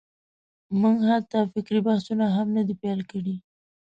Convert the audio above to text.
موږ حتی فکري بحثونه هم نه دي پېل کړي.